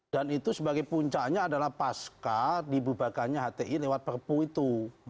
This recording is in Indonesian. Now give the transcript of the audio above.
dan itu sebagai puncaknya adalah pasca di bubakannya hti lewat perpu itu